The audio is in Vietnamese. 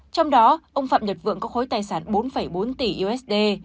trong đó ông phạm nhật vượng có khối tài sản bốn bốn tỷ usd